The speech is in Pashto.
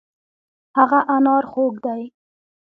هغه انار خوږ دی.